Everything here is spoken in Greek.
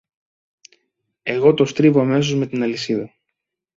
Εγώ το στρίβω αμέσως με την αλυσίδα